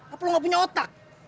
apa lu gak punya otak